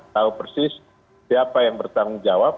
tahu persis siapa yang bertanggung jawab